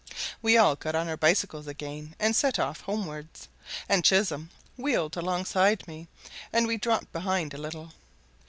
We all got on our bicycles again and set off homewards, and Chisholm wheeled alongside me and we dropped behind a little.